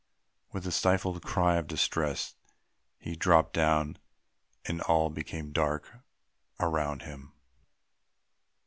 With a stifled cry of distress he dropped down, and all became dark around him.